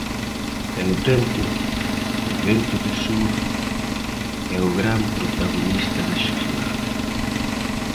E no tempo, o vento do sur é o gran protagonista da xornada.